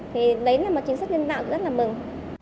thì đấy là một chính sách liên đoàn rất là mừng